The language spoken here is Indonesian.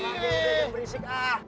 jangan berisik ah